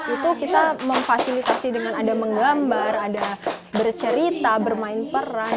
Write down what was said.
itu kita memfasilitasi dengan ada menggambar ada bercerita bermain peran